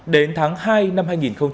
đến tháng hai năm hai nghìn hai mươi ba